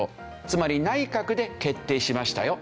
つまり内閣で決定しましたよ